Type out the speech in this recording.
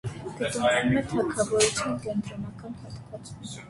Գտնվում է թագավորության կենտրոնական հատվածում։